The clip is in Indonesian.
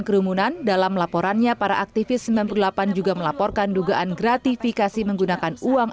kerumunan dalam laporannya para aktivis sembilan puluh delapan juga melaporkan dugaan gratifikasi menggunakan uang